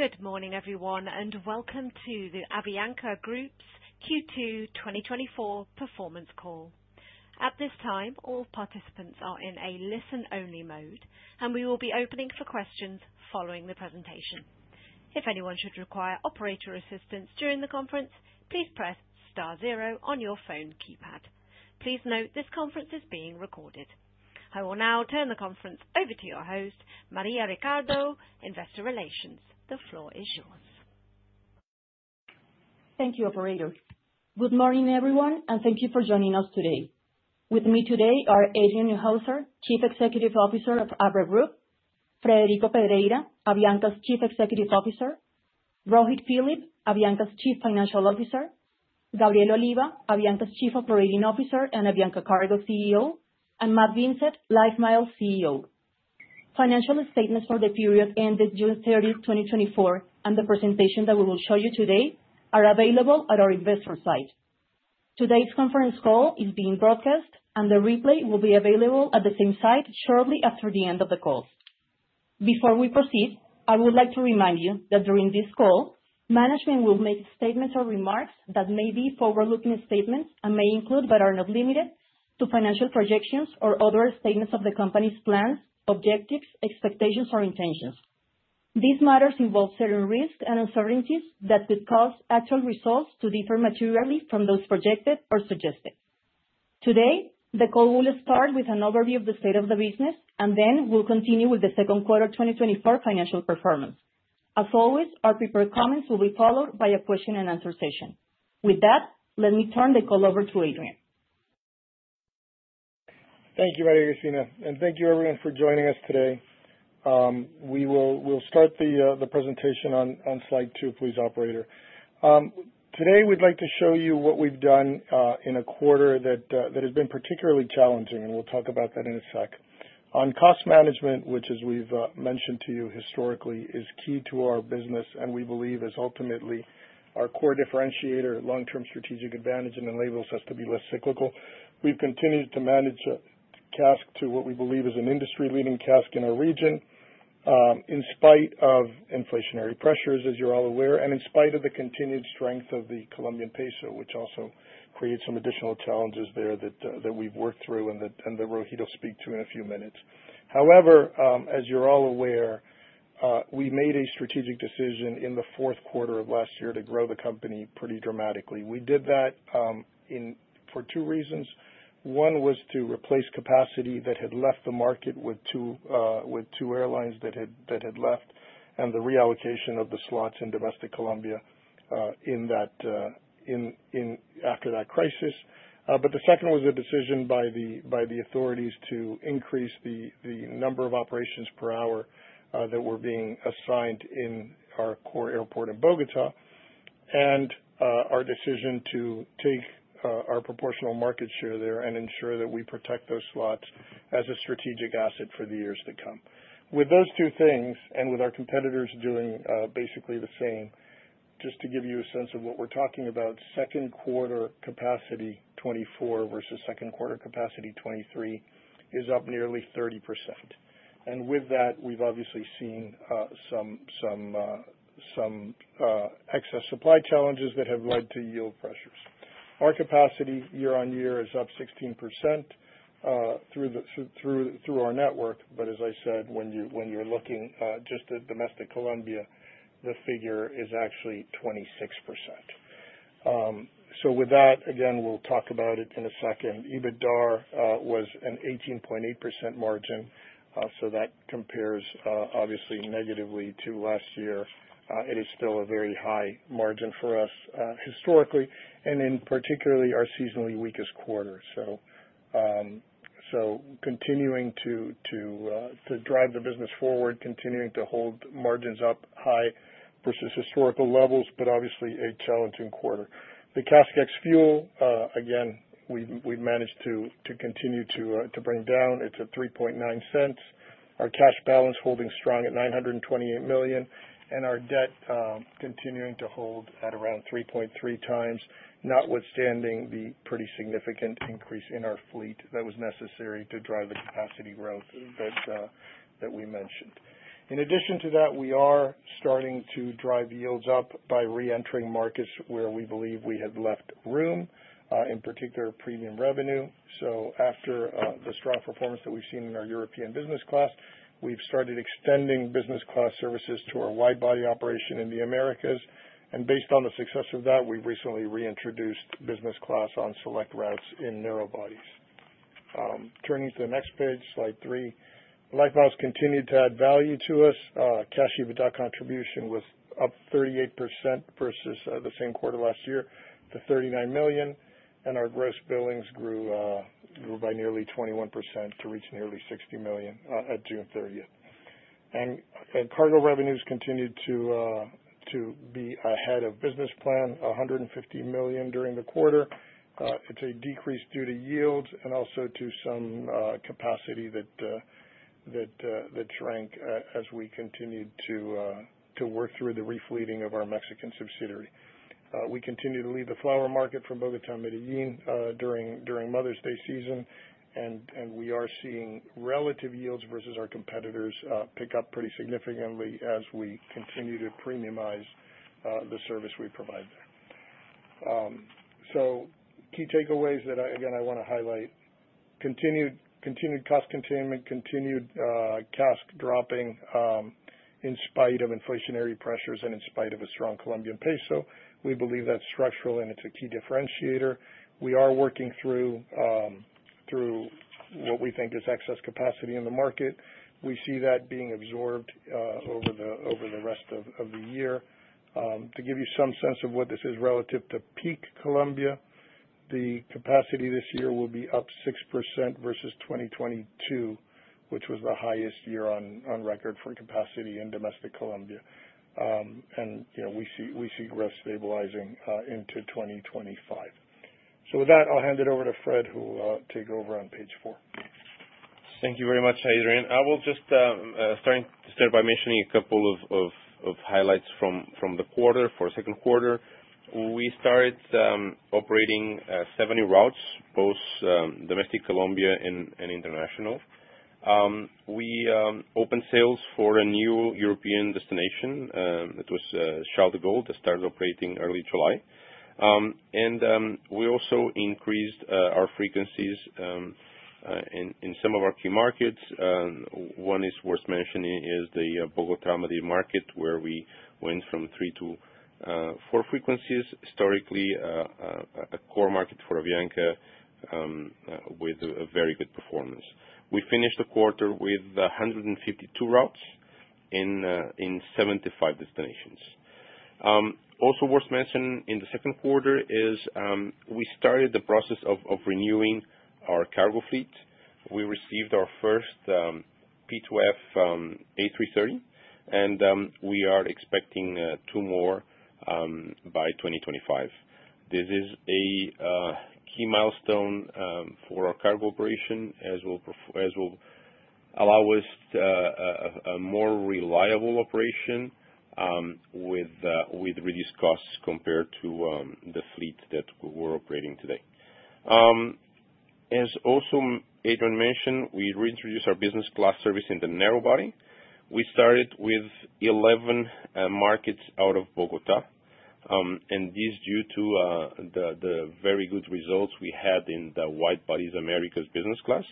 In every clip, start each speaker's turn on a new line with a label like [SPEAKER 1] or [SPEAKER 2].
[SPEAKER 1] Good morning, everyone, and welcome to the Avianca Group's Q2 2024 performance call. At this time, all participants are in a listen-only mode, and we will be opening for questions following the presentation. If anyone should require operator assistance during the conference, please press star zero on your phone keypad. Please note, this conference is being recorded. I will now turn the conference over to your host, Maria Ricardo, Investor Relations. The floor is yours.
[SPEAKER 2] Thank you, operator. Good morning, everyone, and thank you for joining us today. With me today are Adrian Neuhauser, Chief Executive Officer of Abra Group; Frederico Pedreira, Avianca's Chief Executive Officer; Rohit Philip, Avianca's Chief Financial Officer; Gabriel Oliva, Avianca's Chief Operating Officer and Avianca Cargo CEO; and Matt Vincett, LifeMiles CEO. Financial statements for the period ended June 30, 2024, and the presentation that we will show you today are available at our investor site. Today's conference call is being broadcast, and the replay will be available at the same site shortly after the end of the call. Before we proceed, I would like to remind you that during this call, management will make statements or remarks that may be forward-looking statements and may include, but are not limited to, financial projections or other statements of the company's plans, objectives, expectations, or intentions. These matters involve certain risks and uncertainties that could cause actual results to differ materially from those projected or suggested. Today, the call will start with an overview of the state of the business, and then we'll continue with the second quarter 2024 financial performance. As always, our prepared comments will be followed by a question and answer session. With that, let me turn the call over to Adrian.
[SPEAKER 3] Thank you, Maria Cristina, and thank you, everyone, for joining us today. We'll start the presentation on slide two, please, operator. Today, we'd like to show you what we've done in a quarter that has been particularly challenging, and we'll talk about that in a sec. On cost management, which as we've mentioned to you historically, is key to our business and we believe is ultimately our core differentiator, long-term strategic advantage, and enables us to be less cyclical. We've continued to manage CASK to what we believe is an industry-leading CASK in our region, in spite of inflationary pressures, as you're all aware, and in spite of the continued strength of the Colombian peso, which also creates some additional challenges there that we've worked through and that Rohit will speak to in a few minutes. However, as you're all aware, we made a strategic decision in the fourth quarter of last year to grow the company pretty dramatically. We did that for two reasons. One was to replace capacity that had left the market with two airlines that had left, and the reallocation of the slots in domestic Colombia after that crisis. But the second was a decision by the, by the authorities to increase the, the number of operations per hour, that were being assigned in our core airport of Bogota, and our decision to take our proportional market share there and ensure that we protect those slots as a strategic asset for the years to come. With those two things, and with our competitors doing basically the same, just to give you a sense of what we're talking about, second quarter capacity 2024 versus second quarter capacity 2023 is up nearly 30%. And with that, we've obviously seen some excess supply challenges that have led to yield pressures. Our capacity year-on-year is up 16%, through our network. But as I said, when you, when you're looking, just at domestic Colombia, the figure is actually 26%. So with that, again, we'll talk about it in a second. EBITDA was an 18.8% margin. So that compares obviously negatively to last year. It is still a very high margin for us, historically, and in particularly our seasonally weakest quarter. So, so continuing to drive the business forward, continuing to hold margins up high versus historical levels, but obviously a challenging quarter. The CASK ex-fuel, again, we managed to continue to bring down. It's at $0.039. Our cash balance holding strong at $928 million, and our debt continuing to hold at around 3.3 times, notwithstanding the pretty significant increase in our fleet that was necessary to drive the capacity growth that we mentioned. In addition to that, we are starting to drive yields up by reentering markets where we believe we had left room, in particular, premium revenue. So after the strong performance that we've seen in our European business class, we've started extending business class services to our wide-body operation in the Americas. And based on the success of that, we recently reintroduced business class on select routes in narrow bodies. Turning to the next page, slide three. LifeMiles continued to add value to us. Cash EBITDA contribution was up 38% versus the same quarter last year to $39 million, and our gross billings grew by nearly 21% to reach nearly $60 million at June 30. Cargo revenues continued to be ahead of business plan, $150 million during the quarter. It's a decrease due to yields and also to some capacity that shrank as we continued to work through the refleeting of our Mexican subsidiary. ... we continue to lead the flower market from Bogotá to Medellín during Mother's Day season, and we are seeing relative yields versus our competitors pick up pretty significantly as we continue to premiumize the service we provide there. So key takeaways that I, again, I want to highlight: continued cost containment, continued CASK dropping in spite of inflationary pressures and in spite of a strong Colombian peso. We believe that's structural, and it's a key differentiator. We are working through what we think is excess capacity in the market. We see that being absorbed over the rest of the year. To give you some sense of what this is relative to peak Colombia, the capacity this year will be up 6% versus 2022, which was the highest year on record for capacity in domestic Colombia. And, you know, we see growth stabilizing into 2025. So with that, I'll hand it over to Fred, who will take over on page 4.
[SPEAKER 4] Thank you very much, Adrian. I will just start by mentioning a couple of highlights from the quarter. For second quarter, we started operating 70 routes, both domestic Colombia and international. We opened sales for a new European destination, it was Charles de Gaulle, that started operating early July. We also increased our frequencies in some of our key markets. One worth mentioning is the Bogotá-Medellín market, where we went from three to four frequencies. Historically, a core market for Avianca, with a very good performance. We finished the quarter with 152 routes in 75 destinations. Also worth mentioning in the second quarter is we started the process of renewing our cargo fleet. We received our first P2F A330, and we are expecting two more by 2025. This is a key milestone for our cargo operation, as will allow us a more reliable operation with reduced costs compared to the fleet that we're operating today. As also Adrian mentioned, we reintroduced our business class service in the narrow body. We started with 11 markets out of Bogota, and this is due to the very good results we had in the wide bodies Americas business class.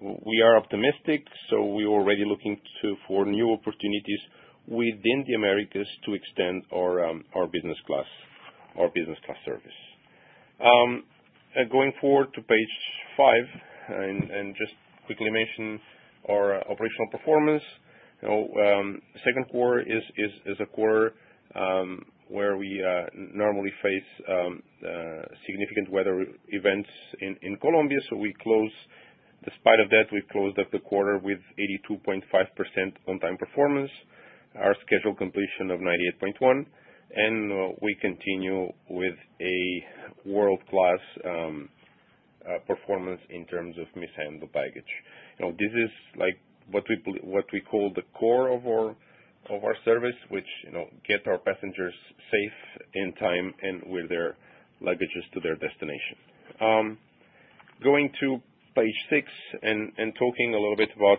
[SPEAKER 4] We are optimistic, so we're already looking for new opportunities within the Americas to extend our business class service. And going forward to page five, and just quickly mention our operational performance. You know, second quarter is a quarter where we normally face significant weather events in Colombia. So despite of that, we closed up the quarter with 82.5% on-time performance, our scheduled completion of 98.1, and we continue with a world-class performance in terms of mishandled baggage. You know, this is like what we call the core of our service, which, you know, get our passengers safe, in time, and with their luggage to their destination. Going to page six and talking a little bit about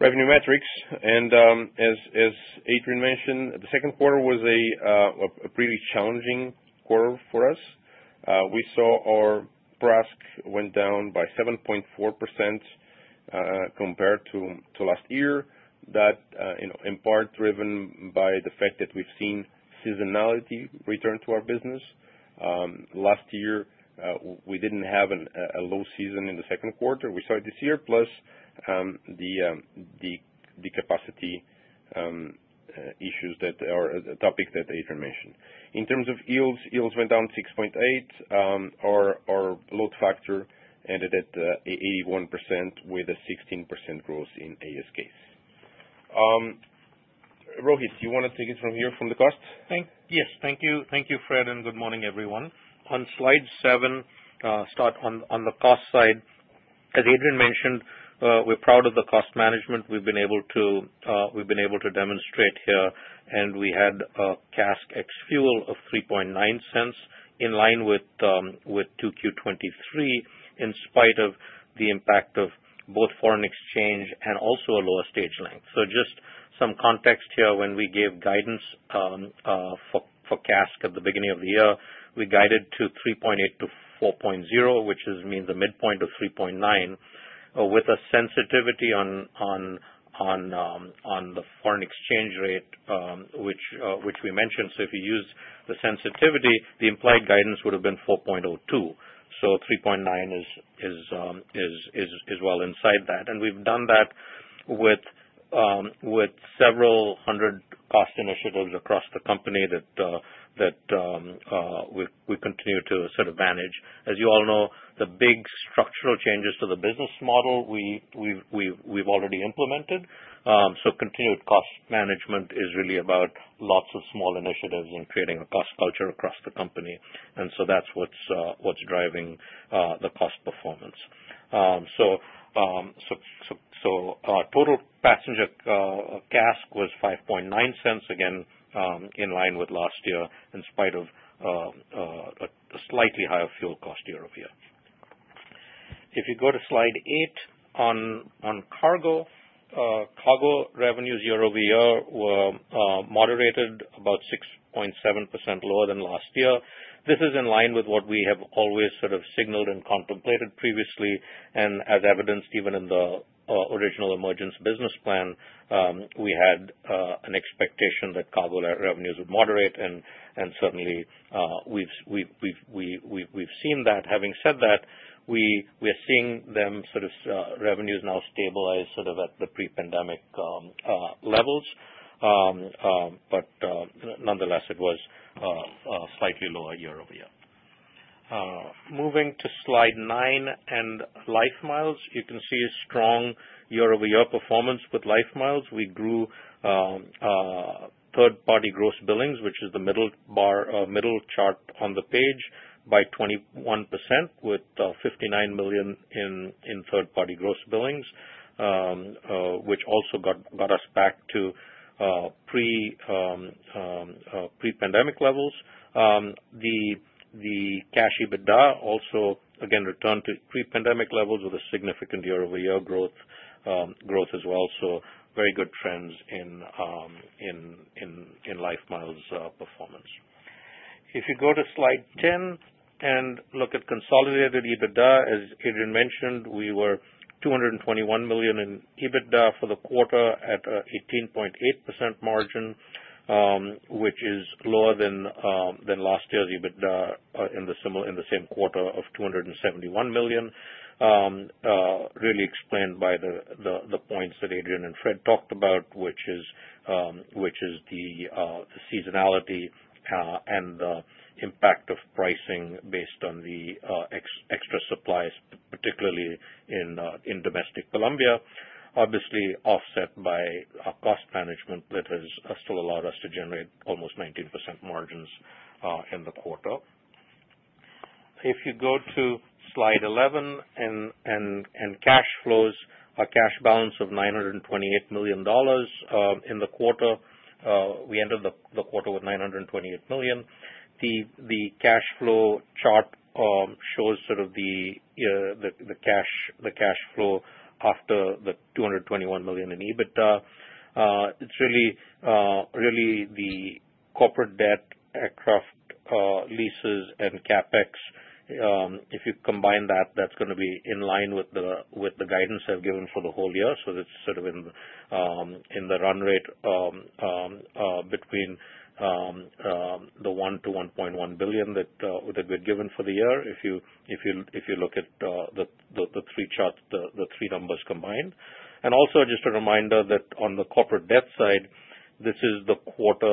[SPEAKER 4] revenue metrics, and as Adrian mentioned, the second quarter was a pretty challenging quarter for us. We saw our PRASK went down by 7.4%, compared to last year. That, you know, in part driven by the fact that we've seen seasonality return to our business. Last year, we didn't have a low season in the second quarter. We saw it this year, plus, the capacity issues that are a topic that Adrian mentioned. In terms of yields, yields went down 6.8. Our load factor ended at 81%, with a 16% growth in ASK. Rohit, do you want to take it from here, from the cost?
[SPEAKER 5] Yes, thank you. Thank you, Fred, and good morning, everyone. On slide 7, start on the cost side. As Adrian mentioned, we're proud of the cost management we've been able to demonstrate here, and we had a CASK ex fuel of $0.039, in line with 2Q 2023, in spite of the impact of both foreign exchange and also a lower stage length. So just some context here, when we gave guidance for CASK at the beginning of the year, we guided to $0.038-$0.040, which is mean the midpoint of $0.039, with a sensitivity on the foreign exchange rate, which we mentioned. So if you use the sensitivity, the implied guidance would have been 4.02. So 3.9 is well inside that. And we've done that with several hundred cost initiatives across the company that we continue to sort of manage. As you all know, the big structural changes to the business model, we've already implemented. So continued cost management is really about lots of small initiatives and creating a cost culture across the company, and so that's what's driving the cost performance. So, our total passenger CASK was $0.059, again, in line with last year, in spite of a slightly higher fuel cost year-over-year. If you go to slide 8 on cargo, cargo revenues year-over-year were moderated about 6.7% lower than last year. This is in line with what we have always sort of signaled and contemplated previously, and as evidenced even in the original emergence business plan, we had an expectation that cargo revenues would moderate, and certainly, we've seen that. Having said that, we are seeing them sort of revenues now stabilize sort of at the pre-pandemic levels. But nonetheless, it was slightly lower year-over-year. Moving to slide nine and LifeMiles, you can see a strong year-over-year performance with LifeMiles. We grew third-party gross billings, which is the middle bar, middle chart on the page, by 21%, with $59 million in third-party gross billings, which also got us back to pre-pandemic levels. The cash EBITDA also again returned to pre-pandemic levels with a significant year-over-year growth, growth as well. So very good trends in LifeMiles performance. If you go to slide 10 and look at consolidated EBITDA, as Adrian mentioned, we were $221 million in EBITDA for the quarter at 18.8% margin, which is lower than than last year's EBITDA in the same quarter of $271 million. Really explained by the points that Adrian and Fred talked about, which is the seasonality and the impact of pricing based on the extra supplies, particularly in domestic Colombia. Obviously, offset by a cost management that has still allowed us to generate almost 19% margins in the quarter. If you go to slide 11 and cash flows, a cash balance of $928 million in the quarter. We ended the quarter with $928 million. The cash flow chart shows sort of the cash flow after the $221 million in EBITDA. It's really the corporate debt, aircraft leases and CapEx. If you combine that, that's gonna be in line with the guidance I've given for the whole year. So it's sort of in the run rate between the $1 billion-$1.1 billion that we've given for the year. If you look at the three charts, the three numbers combined. Also just a reminder that on the corporate debt side, this is the quarter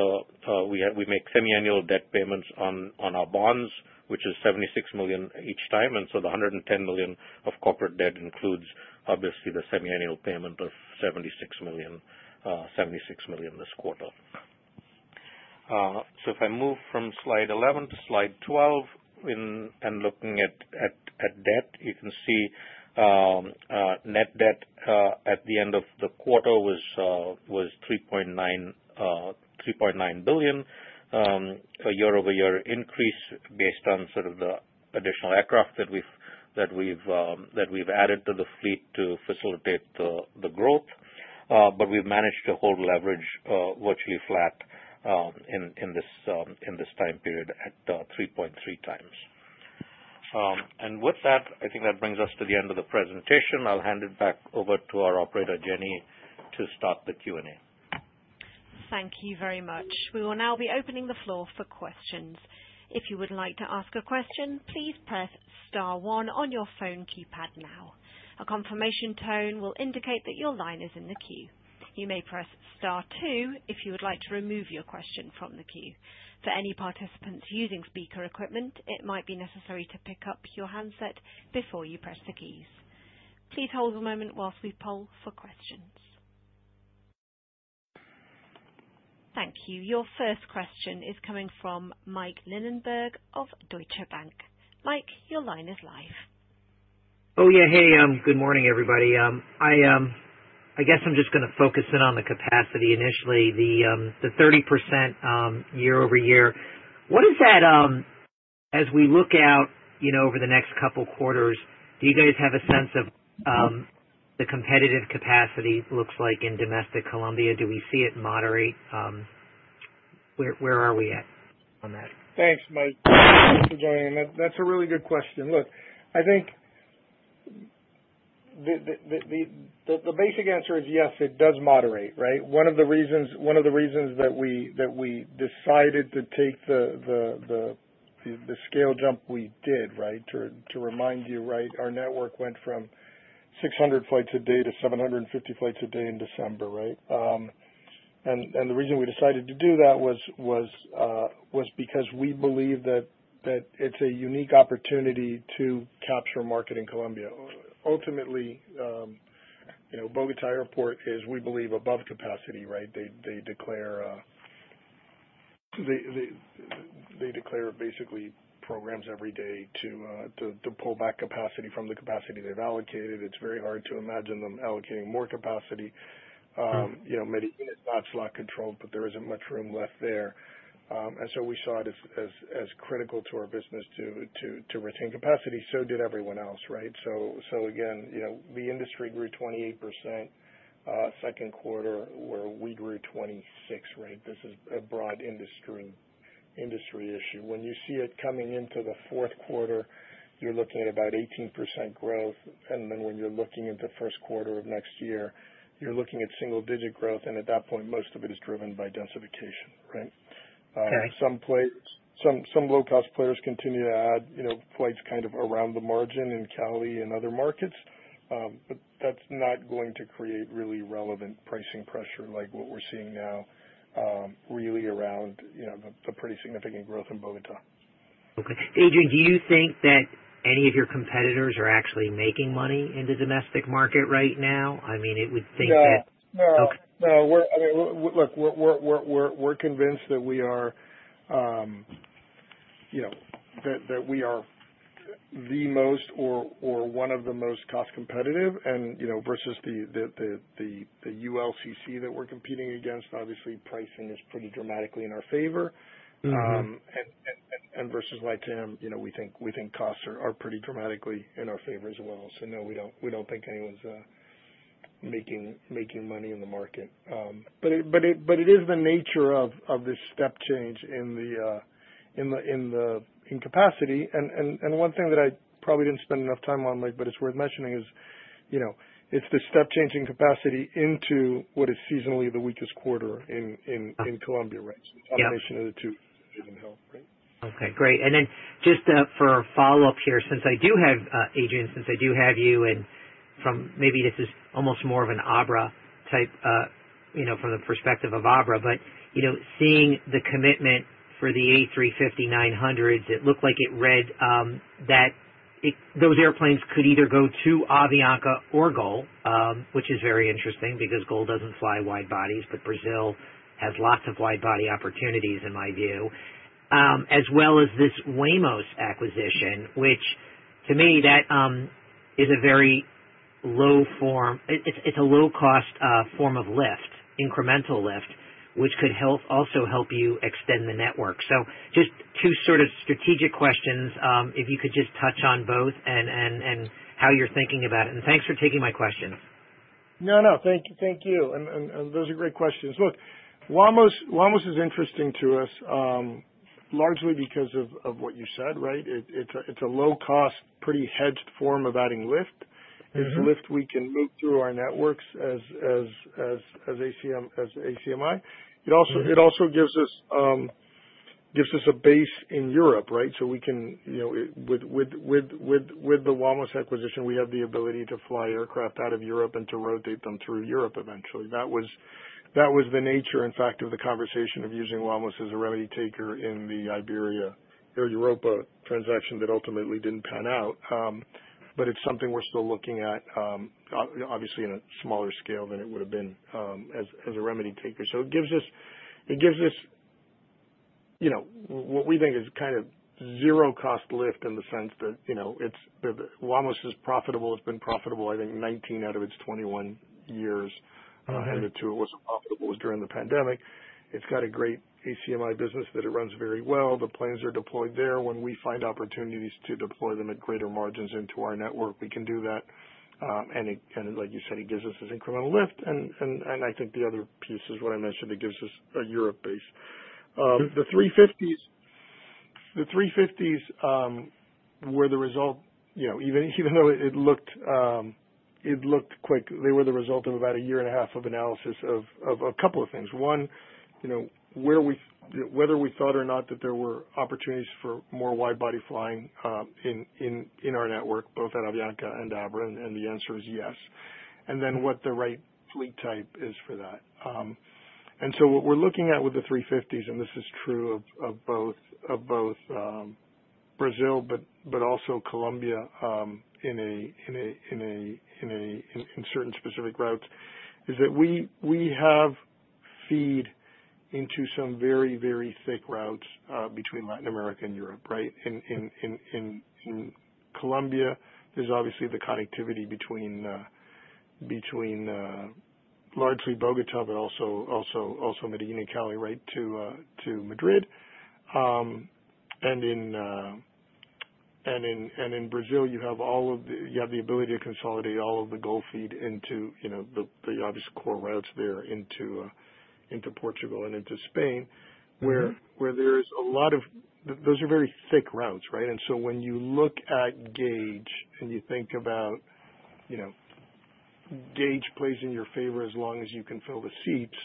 [SPEAKER 5] we make semiannual debt payments on our bonds, which is $76 million each time, and so the $110 million of corporate debt includes obviously the semiannual payment of $76 million, $76 million this quarter. So if I move from slide 11 to slide 12, and looking at debt, you can see net debt at the end of the quarter was $3.9 billion, a year-over-year increase based on sort of the additional aircraft that we've added to the fleet to facilitate the growth. But we've managed to hold leverage virtually flat in this time period at 3.3 times. And with that, I think that brings us to the end of the presentation. I'll hand it back over to our operator, Jenny, to start the Q&A.
[SPEAKER 1] Thank you very much. We will now be opening the floor for questions. If you would like to ask a question, please press star one on your phone keypad now. A confirmation tone will indicate that your line is in the queue. You may press star two if you would like to remove your question from the queue. For any participants using speaker equipment, it might be necessary to pick up your handset before you press the keys. Please hold a moment while we poll for questions. Thank you. Your first question is coming from Mike Linenberg of Deutsche Bank. Mike, your line is live.
[SPEAKER 6] Oh, yeah. Hey, good morning, everybody. I guess I'm just gonna focus in on the capacity initially, the 30% year-over-year. What is that, as we look out, you know, over the next couple quarters, do you guys have a sense of the competitive capacity looks like in domestic Colombia? Do we see it moderate? Where are we at on that?
[SPEAKER 3] Thanks, Mike. Thanks for joining. That's a really good question. Look, I think the basic answer is yes, it does moderate, right? One of the reasons that we decided to take the scale jump we did, right? To remind you, right, our network went from 600 flights a day to 750 flights a day in December, right? And the reason we decided to do that was because we believe that it's a unique opportunity to capture a market in Colombia. Ultimately, you know, Bogotá Airport is, we believe, above capacity, right? They declare basically programs every day to pull back capacity from the capacity they've allocated. It's very hard to imagine them allocating more capacity... you know, Medellín is not slot controlled, but there isn't much room left there. And so we saw it as critical to our business to retain capacity. So did everyone else, right? So again, you know, the industry grew 28% second quarter, where we grew 26, right? This is a broad industry issue. When you see it coming into the fourth quarter, you're looking at about 18% growth, and then when you're looking at the first quarter of next year, you're looking at single digit growth, and at that point, most of it is driven by densification, right?
[SPEAKER 6] Okay.
[SPEAKER 3] Some low-cost players continue to add, you know, flights kind of around the margin in Cali and other markets. But that's not going to create really relevant pricing pressure like what we're seeing now, really around, you know, the pretty significant growth in Bogotá.
[SPEAKER 6] Okay. Adrian, do you think that any of your competitors are actually making money in the domestic market right now? I mean, it would seem that-
[SPEAKER 3] No.
[SPEAKER 6] Okay.
[SPEAKER 3] No. No, I mean, look, we're convinced that we are, you know, that we are the most or one of the most cost competitive and, you know, versus the ULCC that we're competing against, obviously pricing is pretty dramatically in our favor.
[SPEAKER 6] Mm-hmm.
[SPEAKER 3] And versus LATAM, you know, we think costs are pretty dramatically in our favor as well. So no, we don't think anyone's making money in the market. But it is the nature of this step change in the capacity. And one thing that I probably didn't spend enough time on, Mike, but it's worth mentioning, is, you know, it's the step change in capacity into what is seasonally the weakest quarter in Colombia, right?
[SPEAKER 6] Yeah.
[SPEAKER 3] So the combination of the two doesn't help, right?
[SPEAKER 6] Okay, great. And then just for a follow-up here, since I do have Adrian, since I do have you, and from maybe this is almost more of an Abra type, you know, from the perspective of Abra, but, you know, seeing the commitment for the A350-900s, it looked like it read that those airplanes could either go to Avianca or GOL, which is very interesting because GOL doesn't fly wide bodies, but Brazil has lots of wide body opportunities in my view. As well as this Wamos acquisition, which to me, that is a very low form. It's a low cost form of lift, incremental lift, which could also help you extend the network. So just two sort of strategic questions, if you could just touch on both and how you're thinking about it. Thanks for taking my question.
[SPEAKER 3] No, no. Thank you. And those are great questions. Look, Wamos is interesting to us, largely because of what you said, right? It's a low cost, pretty hedged form of adding lift.
[SPEAKER 6] Mm-hmm.
[SPEAKER 3] It's lift we can move through our networks as ACMI.
[SPEAKER 6] Mm-hmm.
[SPEAKER 3] It also gives us a base in Europe, right? So we can, you know, with the Wamos acquisition, we have the ability to fly aircraft out of Europe and to rotate them through Europe eventually. That was the nature, in fact, of the conversation of using Wamos as a remedy taker in the Iberia, Air Europa transaction that ultimately didn't pan out. But it's something we're still looking at, obviously in a smaller scale than it would have been, as a remedy taker. So it gives us, you know, what we think is kind of zero cost lift in the sense that, you know, Wamos is profitable. It's been profitable, I think, 19 out of its 21 years.
[SPEAKER 6] Mm-hmm.
[SPEAKER 3] The two it wasn't profitable was during the pandemic. It's got a great ACMI business that it runs very well. The planes are deployed there. When we find opportunities to deploy them at greater margins into our network, we can do that. And like you said, it gives us this incremental lift. And I think the other piece is what I mentioned, it gives us a Europe base. The 350s. The 350s were the result, you know, even though it looked quick, they were the result of about a year and a half of analysis of a couple of things. One, you know, where whether we thought or not that there were opportunities for more wide body flying in our network, both at Avianca and Abra, and the answer is yes. Then what the right fleet type is for that. And so what we're looking at with the 350s, and this is true of both Brazil, but also Colombia, in certain specific routes, is that we have feed into some very, very thick routes between Latin America and Europe, right? In Colombia, there's obviously the connectivity between largely Bogotá, but also Medellín and Cali, right, to Madrid. In Brazil, you have the ability to consolidate all of the GOL feed into, you know, the obvious core routes there into Portugal and into Spain.
[SPEAKER 6] Mm-hmm.
[SPEAKER 3] Where there's a lot of... Those are very thick routes, right? And so when you look at gauge and you think about, you know, gauge plays in your favor as long as you can fill the seats-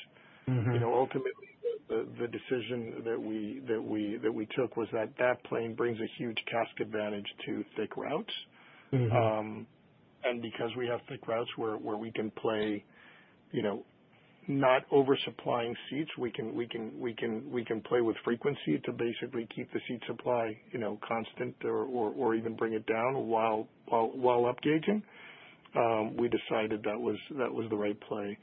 [SPEAKER 6] Mm-hmm.
[SPEAKER 3] You know, ultimately, the decision that we took was that plane brings a huge cost advantage to thick routes.
[SPEAKER 6] Mm-hmm.
[SPEAKER 3] And because we have thick routes where we can play, you know, not oversupplying seats, we can play with frequency to basically keep the seat supply, you know, constant or even bring it down while upgauging. We decided that was the right play.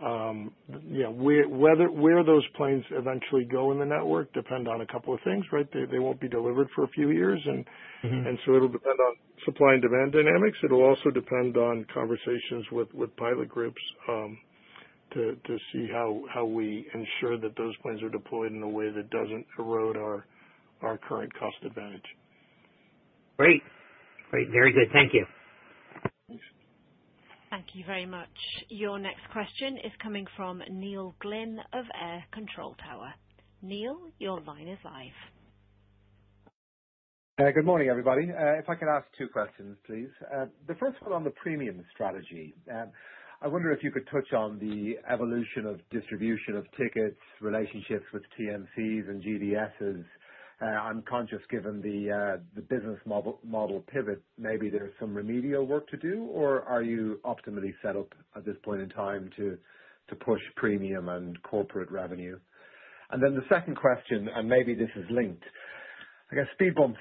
[SPEAKER 3] You know, where those planes eventually go in the network depend on a couple of things, right? They won't be delivered for a few years and-
[SPEAKER 6] Mm-hmm.
[SPEAKER 3] And so it'll depend on supply and demand dynamics. It'll also depend on conversations with pilot groups to see how we ensure that those plans are deployed in a way that doesn't erode our current cost advantage.
[SPEAKER 6] Great. Great, very good. Thank you.
[SPEAKER 1] Thank you very much. Your next question is coming from Neil Glynn of AIR Control Tower. Neil, your line is live.
[SPEAKER 7] Good morning, everybody. If I could ask two questions, please. The first one on the premium strategy. I wonder if you could touch on the evolution of distribution of tickets, relationships with TMCs and GDSs. I'm conscious, given the business model pivot, maybe there's some remedial work to do, or are you optimally set up at this point in time to push premium and corporate revenue? And then the second question, and maybe this is linked. I guess speed bumps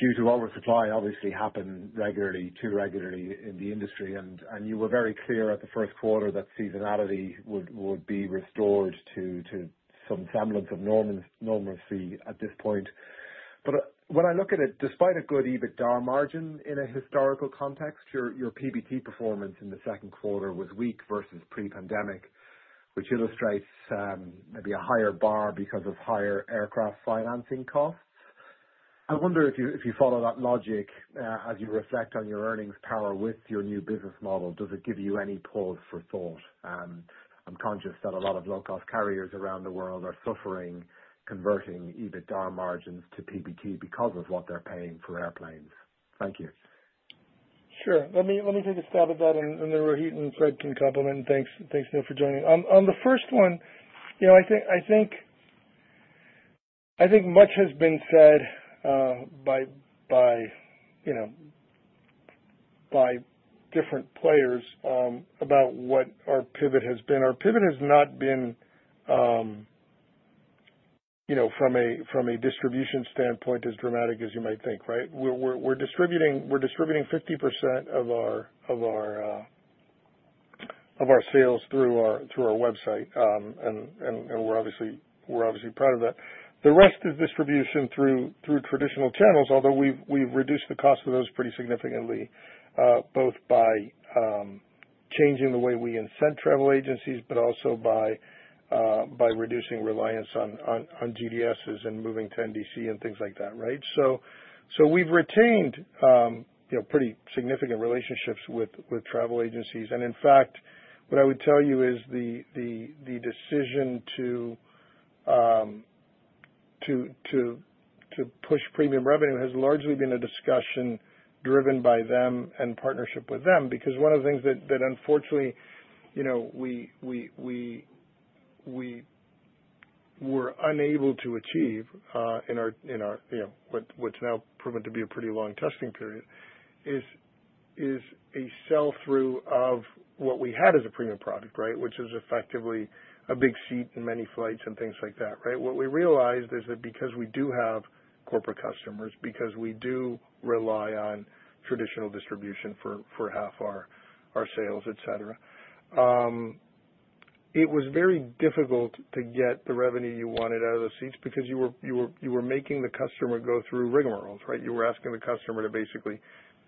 [SPEAKER 7] due to oversupply obviously happen regularly, too regularly in the industry, and you were very clear at the first quarter that seasonality would be restored to some semblance of normalcy at this point. But when I look at it, despite a good EBITDA margin in a historical context, your, your PBT performance in the second quarter was weak versus pre-pandemic, which illustrates, maybe a higher bar because of higher aircraft financing costs. I wonder if you, if you follow that logic, as you reflect on your earnings power with your new business model, does it give you any pause for thought? I'm conscious that a lot of low-cost carriers around the world are suffering, converting EBITDA margins to PBT because of what they're paying for airplanes. Thank you.
[SPEAKER 3] Sure. Let me take a stab at that, and then Rohit and Fred can complement. Thanks, Neil, for joining. On the first one, you know, I think much has been said by, you know, different players about what our pivot has been. Our pivot has not been, you know, from a distribution standpoint, as dramatic as you might think, right? We're distributing 50% of our sales through our website. And we're obviously proud of that. The rest is distribution through traditional channels, although we've reduced the cost of those pretty significantly, both by changing the way we incent travel agencies, but also by reducing reliance on GDSs and moving to NDC and things like that, right? So we've retained you know pretty significant relationships with travel agencies. And in fact, what I would tell you is the decision to push premium revenue has largely been a discussion driven by them and partnership with them. Because one of the things that unfortunately you know we were unable to achieve in our you know what's now proven to be a pretty long testing period is a sell-through of what we had as a premium product, right? Which is effectively a big seat in many flights and things like that, right? What we realized is that because we do have corporate customers, because we do rely on traditional distribution for half our sales, et cetera, it was very difficult to get the revenue you wanted out of those seats because you were making the customer go through rigamaroles, right? You were asking the customer to basically,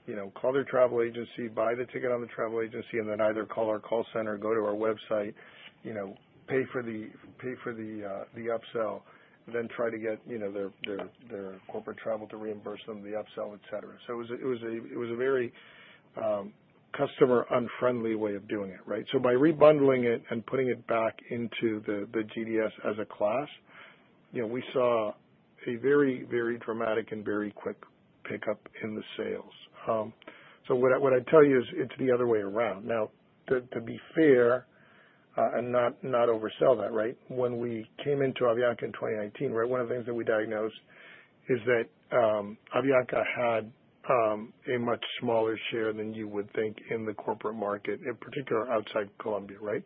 [SPEAKER 3] you know, call their travel agency, buy the ticket on the travel agency, and then either call our call center, go to our website, you know, pay for the upsell, then try to get, you know, their corporate travel to reimburse them, the upsell, et cetera. So it was a very customer-unfriendly way of doing it, right? So by rebundling it and putting it back into the GDS as a class, you know, we saw a very, very dramatic and very quick pickup in the sales. So what I'd tell you is it's the other way around. Now, to be fair, and not oversell that, right? When we came into Avianca in 2019, right, one of the things that we diagnosed is that Avianca had a much smaller share than you would think in the corporate market, in particular, outside Colombia, right?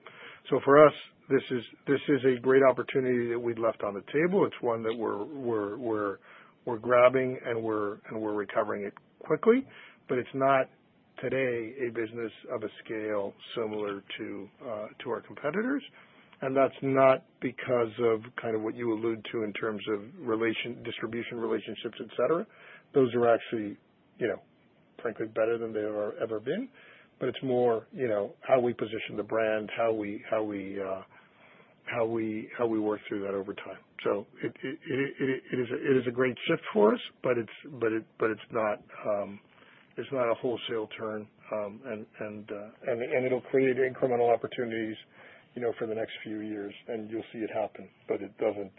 [SPEAKER 3] So for us, this is a great opportunity that we'd left on the table. It's one that we're grabbing and we're recovering it quickly. But it's not today a business of a scale similar to our competitors. That's not because of kind of what you allude to in terms of relationships, distribution, et cetera. Those are actually, you know, frankly, better than they have ever been. But it's more, you know, how we position the brand, how we work through that over time. So it is a great shift for us, but it's not a wholesale turn. And it'll create incremental opportunities, you know, for the next few years, and you'll see it happen, but it doesn't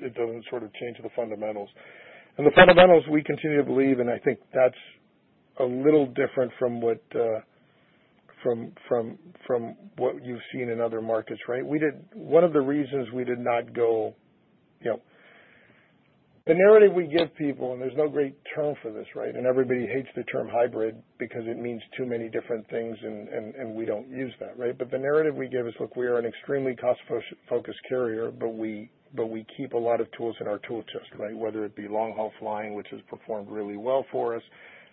[SPEAKER 3] sort of change the fundamentals. And the fundamentals, we continue to believe, and I think that's a little different from what you've seen in other markets, right? One of the reasons we did not go, you know... The narrative we give people, and there's no great term for this, right? And everybody hates the term hybrid because it means too many different things, and we don't use that, right? But the narrative we give is, look, we are an extremely cost-focused carrier, but we keep a lot of tools in our tool chest, right? Whether it be long-haul flying, which has performed really well for us,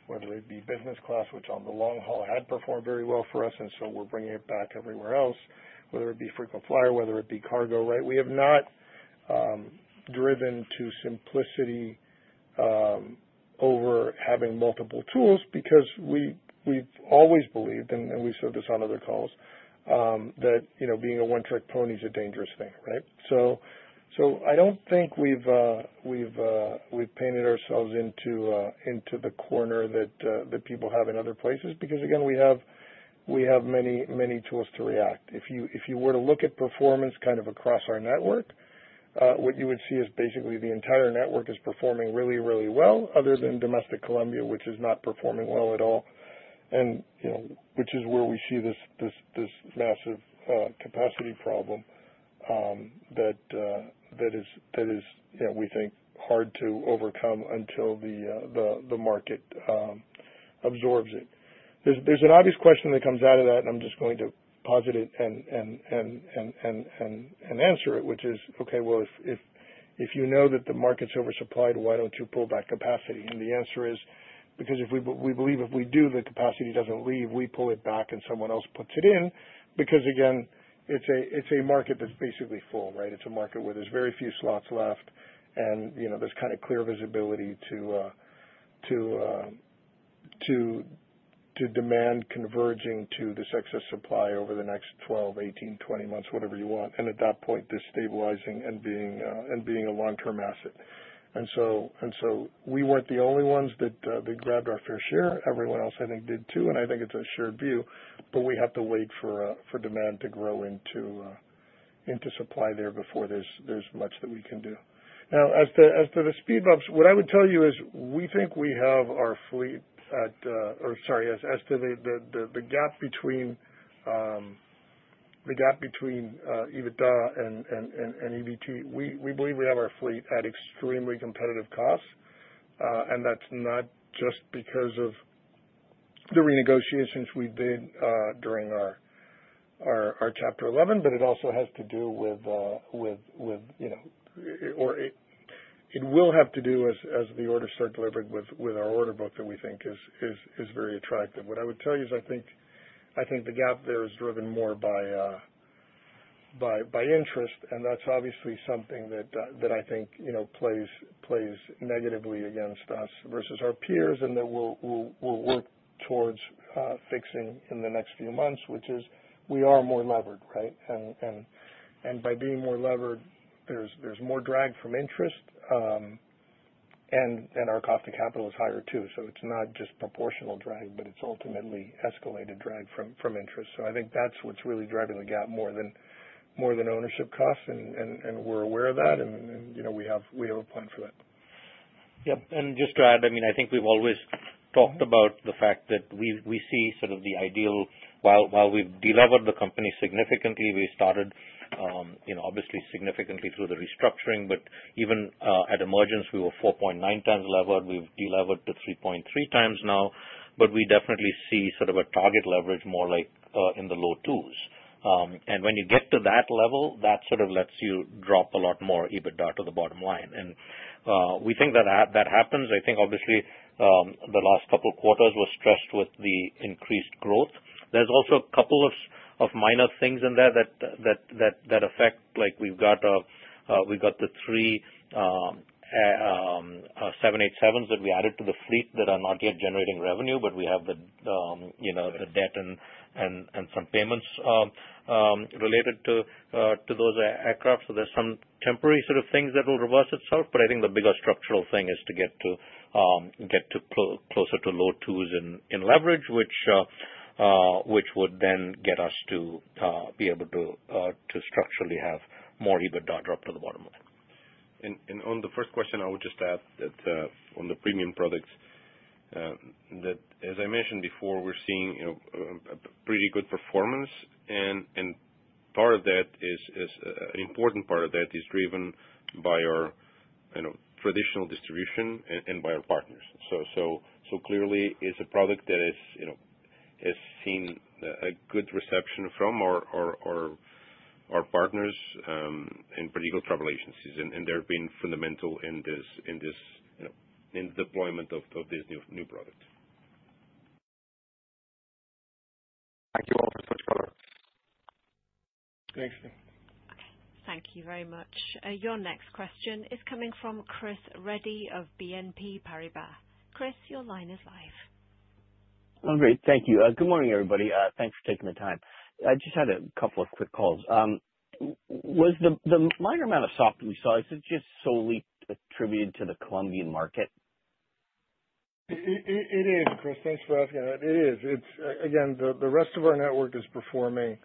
[SPEAKER 3] whether it be Business Class, which on the long haul had performed very well for us, and so we're bringing it back everywhere else, whether it be frequent flyer, whether it be cargo, right? We have not driven to simplicity-... over having multiple tools because we, we've always believed, and we've said this on other calls, that, you know, being a one trick pony is a dangerous thing, right? So I don't think we've painted ourselves into the corner that people have in other places, because again, we have many tools to react. If you were to look at performance kind of across our network, what you would see is basically the entire network is performing really well, other than domestic Colombia, which is not performing well at all. And, you know, which is where we see this massive capacity problem, that is, you know, we think, hard to overcome until the market absorbs it. There's an obvious question that comes out of that, and I'm just going to posit it and answer it, which is: Okay, well, if you know that the market's oversupplied, why don't you pull back capacity? And the answer is, because if we believe if we do, the capacity doesn't leave, we pull it back and someone else puts it in. Because again, it's a market that's basically full, right? It's a market where there's very few slots left and, you know, there's kind of clear visibility to demand converging to this excess supply over the next 12, 18, 20 months, whatever you want. And at that point, this stabilizing and being a long-term asset. We weren't the only ones that grabbed our fair share. Everyone else, I think, did too, and I think it's a shared view, but we have to wait for demand to grow into supply there before there's much that we can do. Now, as to the speed bumps, what I would tell you is, we think we have our fleet at or sorry, as to the gap between EBITDA and EBT, we believe we have our fleet at extremely competitive costs. And that's not just because of the renegotiations we did during our Chapter 11, but it also has to do with, you know, or it will have to do as the orders start delivering with our order book that we think is very attractive. What I would tell you is I think the gap there is driven more by interest, and that's obviously something that I think, you know, plays negatively against us versus our peers, and that we'll work towards fixing in the next few months, which is we are more levered, right? And by being more levered, there's more drag from interest, and our cost to capital is higher, too. So it's not just proportional drag, but it's ultimately escalated drag from interest. So I think that's what's really driving the gap more than ownership costs, and we're aware of that, and, you know, we have a plan for that.
[SPEAKER 5] Yep. And just to add, I mean, I think we've always talked about the fact that we see sort of the ideal. While we've delevered the company significantly, we started, you know, obviously significantly through the restructuring, but even at emergence, we were 4.9 times levered. We've delevered to 3.3 times now, but we definitely see sort of a target leverage more like in the low 2s. And when you get to that level, that sort of lets you drop a lot more EBITDA to the bottom line. And we think that that happens. I think obviously, the last couple of quarters were stressed with the increased growth. There's also a couple of minor things in there that affect, like we've got, we've got the three 787s that we added to the fleet that are not yet generating revenue, but we have the, you know, the debt and some payments related to those aircraft. So there's some temporary sort of things that will reverse itself, but I think the bigger structural thing is to get to closer to low twos in leverage, which would then get us to be able to structurally have more EBITDA drop to the bottom line.
[SPEAKER 4] On the first question, I would just add that on the premium products, that, as I mentioned before, we're seeing, you know, a pretty good performance. Part of that is an important part of that is driven by our, you know, traditional distribution and by our partners. So clearly, it's a product that is, you know, has seen a good reception from our partners and pretty good travel agencies. They've been fundamental in this, you know, in the deployment of this new product.
[SPEAKER 7] Thank you all for switch color.
[SPEAKER 5] Great.
[SPEAKER 1] Thank you very much. Your next question is coming from Chris Reddy of BNP Paribas. Chris, your line is live.
[SPEAKER 8] Oh, great. Thank you. Good morning, everybody. Thanks for taking the time. I just had a couple of quick calls. Was the minor amount of soft that we saw just solely attributed to the Colombian market?
[SPEAKER 3] It is, Chris. Thanks for asking that. It is. It's... Again, the rest of our network is performing,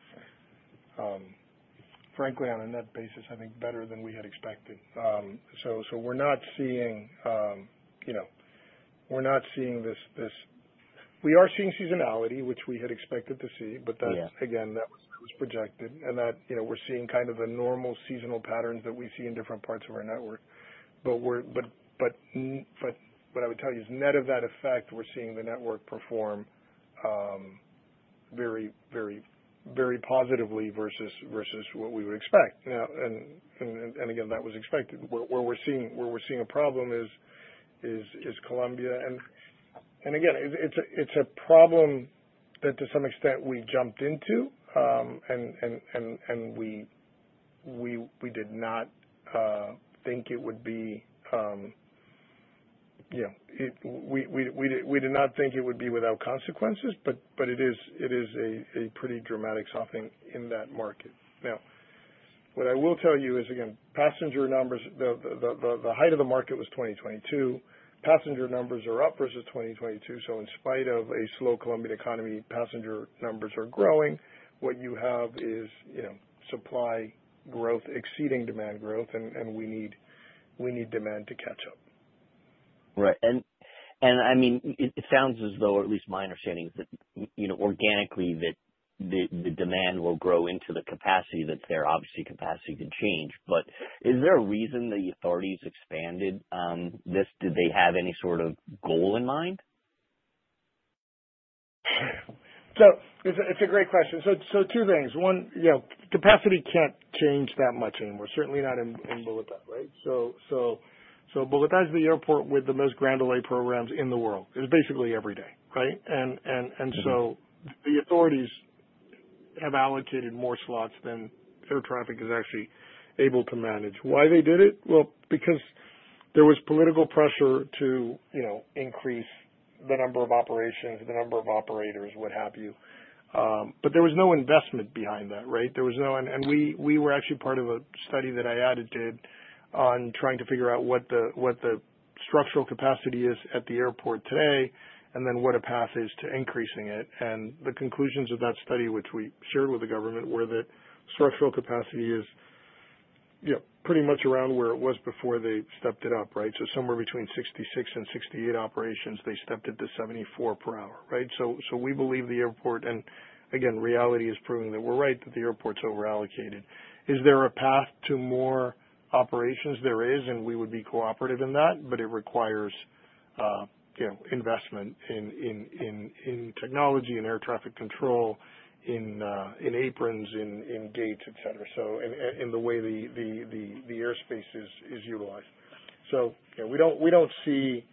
[SPEAKER 3] frankly, on a net basis, I think, better than we had expected. So, we're not seeing, you know, we're not seeing this. We are seeing seasonality, which we had expected to see.
[SPEAKER 8] Yeah.
[SPEAKER 3] But that, again, that was projected, and that, you know, we're seeing kind of a normal seasonal patterns that we see in different parts of our network. But what I would tell you is net of that effect, we're seeing the network perform very, very, very positively versus what we would expect. And again, that was expected. Where we're seeing a problem is Colombia. And again, it is a problem that to some extent we jumped into, and we did not think it would be without consequences, but it is a pretty dramatic softening in that market. Now, what I will tell you is, again, passenger numbers, the height of the market was 2022. Passenger numbers are up versus 2022, so in spite of a slow Colombian economy, passenger numbers are growing. What you have is, you know, supply growth exceeding demand growth, and we need demand to catch up.
[SPEAKER 8] Right. And I mean, it sounds as though, or at least my understanding is that, you know, organically, that the demand will grow into the capacity that's there. Obviously, capacity could change, but is there a reason the authorities expanded this? Did they have any sort of goal in mind?
[SPEAKER 3] So it's a great question. So two things. One, you know, capacity can't change that much anymore, certainly not in Bogota, right? So Bogota is the airport with the most ground delay programs in the world. It's basically every day, right? And so-
[SPEAKER 8] Mm-hmm.
[SPEAKER 3] The authorities have allocated more slots than air traffic is actually able to manage. Why they did it? Well, because there was political pressure to, you know, increase the number of operations, the number of operators, what have you. But there was no investment behind that, right? There was no... We were actually part of a study that IATA did on trying to figure out what the structural capacity is at the airport today, and then what a path is to increasing it. And the conclusions of that study, which we shared with the government, were that structural capacity is, yeah, pretty much around where it was before they stepped it up, right? So somewhere between 66 and 68 operations. They stepped it to 74 per hour, right? So we believe the airport, and again, reality is proving that we're right, that the airport's over-allocated. Is there a path to more operations? There is, and we would be cooperative in that, but it requires, you know, investment in technology, in air traffic control, in aprons, in gates, et cetera. So, and in the way the airspace is utilized. So, you know, we don't see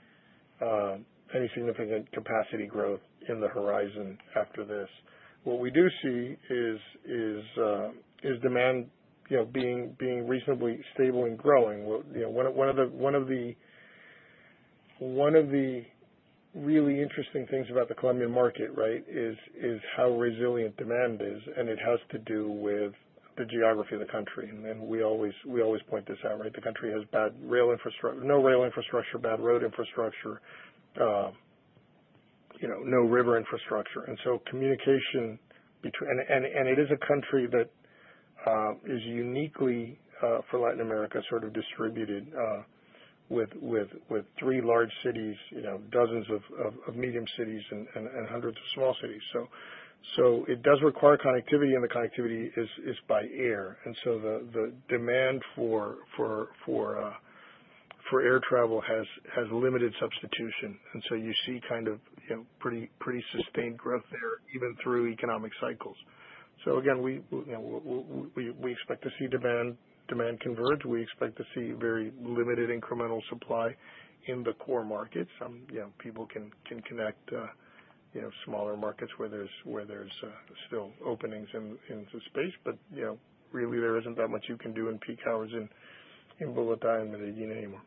[SPEAKER 3] any significant capacity growth in the horizon after this. What we do see is demand, you know, being reasonably stable and growing. Well, you know, one of the really interesting things about the Colombian market, right, is how resilient demand is, and it has to do with the geography of the country. We always point this out, right? The country has no rail infrastructure, bad road infrastructure, you know, no river infrastructure. And it is a country that is uniquely for Latin America, sort of distributed with three large cities, you know, dozens of medium cities and hundreds of small cities. So it does require connectivity, and the connectivity is by air. And so the demand for air travel has limited substitution. And so you see kind of, you know, pretty sustained growth there, even through economic cycles. So again, we, you know, we expect to see demand converge. We expect to see very limited incremental supply in the core markets. You know, people can connect smaller markets where there's still openings in the space. But, you know, really, there isn't that much you can do in peak hours in Bogotá and Medellín anymore,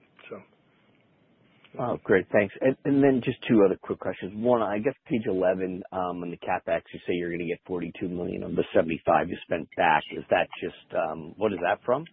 [SPEAKER 3] so.
[SPEAKER 8] Wow. Great, thanks. And then just two other quick questions. One, I guess, page 11, on the CapEx, you say you're gonna get $42 million on the $75 million you spent back. Is that just, what is that from?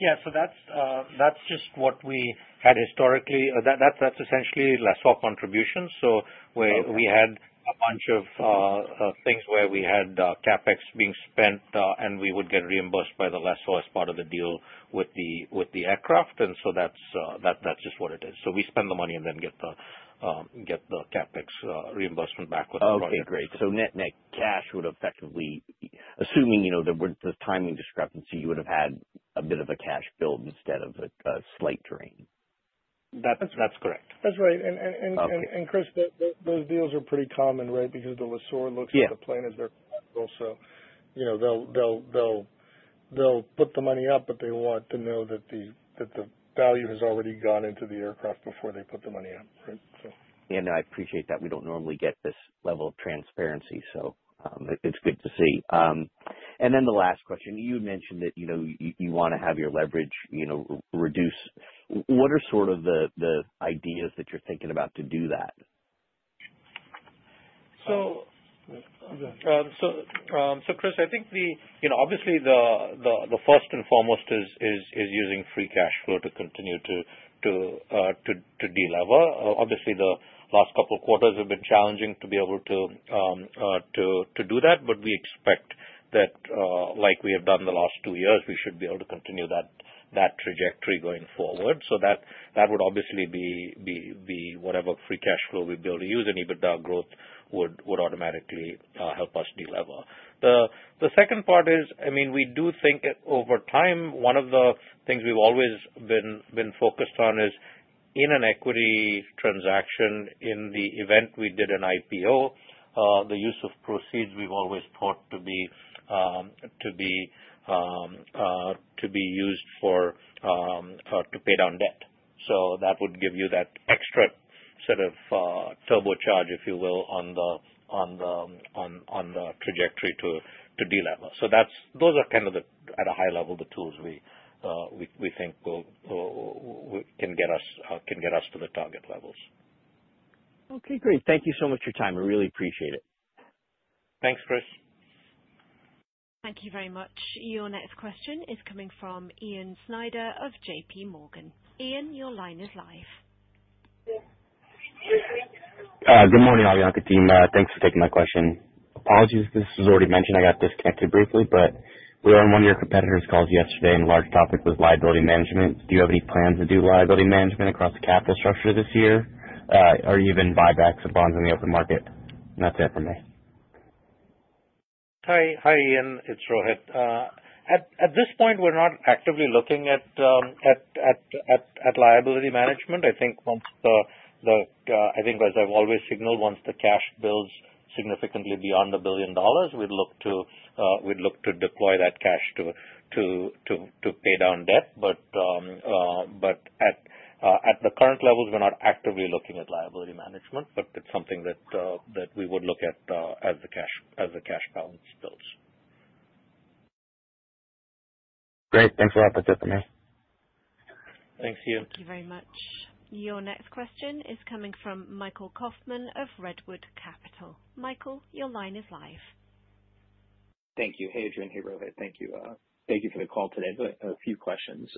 [SPEAKER 5] Yeah. So that's just what we had historically. That's essentially less of contribution. So where we had a bunch of things where we had CapEx being spent, and we would get reimbursed by the lessor as part of the deal with the aircraft. And so that's just what it is. So we spend the money and then get the CapEx reimbursement back with the project.
[SPEAKER 4] Okay, great. So net, net cash would effectively... Assuming, you know, there were the timing discrepancy, you would have had a bit of a cash build instead of a, a slight drain.
[SPEAKER 5] That, that's correct.
[SPEAKER 3] That's right.
[SPEAKER 8] Okay.
[SPEAKER 3] And Chris, those deals are pretty common, right? Because the lessor looks-
[SPEAKER 8] Yeah
[SPEAKER 3] at the plane as theirs, so you know, they'll put the money up, but they want to know that the value has already gone into the aircraft before they put the money in, right? So.
[SPEAKER 8] I appreciate that. We don't normally get this level of transparency, so it's good to see. And then the last question: You mentioned that, you know, you wanna have your leverage, you know, reduced. What are sort of the ideas that you're thinking about to do that?
[SPEAKER 5] So, Chris, I think... You know, obviously the first and foremost is using free cash flow to continue to delever. Obviously, the last couple of quarters have been challenging to be able to do that, but we expect that, like we have done the last two years, we should be able to continue that trajectory going forward. So that would obviously be whatever free cash flow we'll be able to use, and EBITDA growth would automatically help us delever. The second part is, I mean, we do think over time, one of the things we've always been focused on is in an equity transaction, in the event we did an IPO, the use of proceeds we've always thought to be used for to pay down debt. So that would give you that extra sort of turbocharge, if you will, on the trajectory to delever. So that's, those are kind of the, at a high level, the tools we think can get us to the target levels.
[SPEAKER 8] Okay, great. Thank you so much for your time. I really appreciate it.
[SPEAKER 5] Thanks, Chris.
[SPEAKER 1] Thank you very much. Your next question is coming from Ian Snyder of J.P. Morgan. Ian, your line is live.
[SPEAKER 9] Good morning, Avianca team. Thanks for taking my question. Apologies if this was already mentioned, I got disconnected briefly, but we were on one of your competitors' calls yesterday, and a large topic was liability management. Do you have any plans to do liability management across the capital structure this year, or even buybacks of bonds in the open market? That's it for me.
[SPEAKER 5] Hi. Hi, Ian, it's Rohit. At this point, we're not actively looking at liability management. I think as I've always signaled, once the cash builds significantly beyond $1 billion, we'd look to deploy that cash to pay down debt. But at the current levels, we're not actively looking at liability management, but it's something that we would look at as the cash balance builds.
[SPEAKER 9] Great. Thanks a lot for that, Rohit.
[SPEAKER 5] Thanks, Ian.
[SPEAKER 1] Thank you very much. Your next question is coming from Michael Kaufman of Redwood Capital. Michael, your line is live.
[SPEAKER 10] Thank you. Hey, Adrian, hey, Rohit. Thank you, thank you for the call today. But a few questions.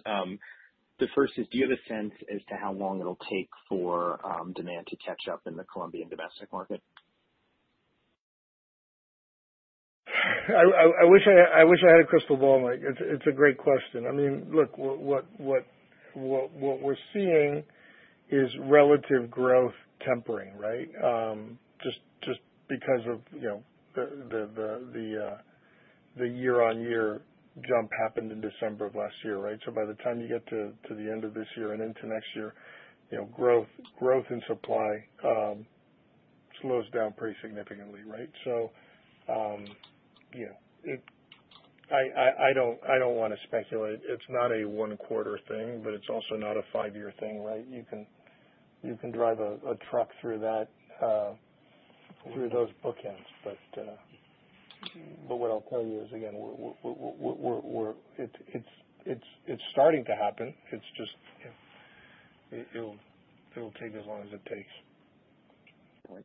[SPEAKER 10] The first is, do you have a sense as to how long it'll take for demand to catch up in the Colombian domestic market?
[SPEAKER 3] I wish I had a crystal ball, Mike. It's a great question. I mean, look, what we're seeing is relative growth tempering, right? Just because of, you know, the year-on-year jump happened in December of last year, right? So by the time you get to the end of this year and into next year, you know, growth and supply slows down pretty significantly, right? So, yeah, it... I don't want to speculate. It's not a one quarter thing, but it's also not a five-year thing, right? You can drive a truck through that, through those bookends. But what I'll tell you is, again, we're... It's starting to happen. It's just, it'll take as long as it takes.
[SPEAKER 10] Gotcha.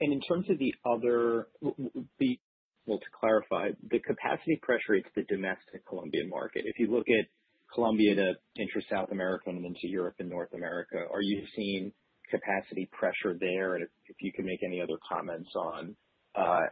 [SPEAKER 10] And in terms of the other, well, to clarify, the capacity pressure, it's the domestic Colombian market. If you look at Colombia to intra-South American and into Europe and North America, are you seeing capacity pressure there? And if you can make any other comments on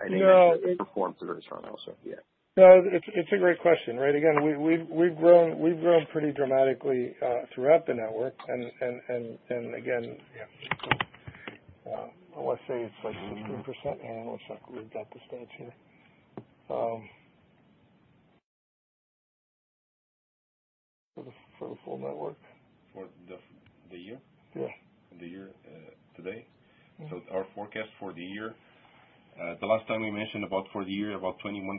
[SPEAKER 10] anything-
[SPEAKER 3] No.
[SPEAKER 10] that performed for those channels so, yeah.
[SPEAKER 3] No, it's a great question, right? Again, we've grown pretty dramatically throughout the network. And again, yeah, I want to say it's like 16%. And let's look, we've got the stats here for the full network.
[SPEAKER 5] For the year?
[SPEAKER 3] Yeah.
[SPEAKER 5] The year, today?
[SPEAKER 3] Mm-hmm.
[SPEAKER 5] So our forecast for the year, the last time we mentioned about for the year, about 21%.